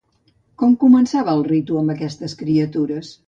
Com començava el ritu amb aquestes criatures?